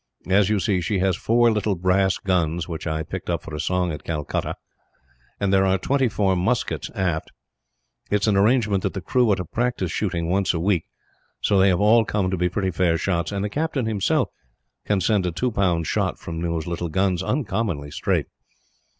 As you see, she has four little brass guns, which I picked up for a song at Calcutta; and there are twenty four muskets aft. It is an arrangement that the crew are to practise shooting once a week, so they have all come to be pretty fair shots; and the captain, himself, can send a two pound shot from those little guns uncommonly straight.